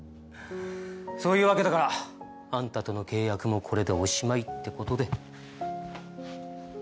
そういうわけだからあんたとの契約もこれでおしまいって事で。